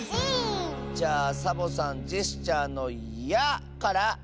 じゃあサボさんジェスチャーの「や」から！